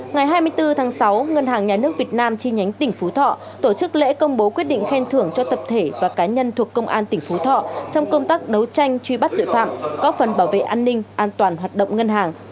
ngày hai mươi bốn tháng sáu ngân hàng nhà nước việt nam chi nhánh tỉnh phú thọ tổ chức lễ công bố quyết định khen thưởng cho tập thể và cá nhân thuộc công an tỉnh phú thọ trong công tác đấu tranh truy bắt tội phạm góp phần bảo vệ an ninh an toàn hoạt động ngân hàng